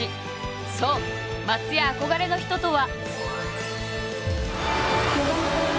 そう松也憧れの人とは。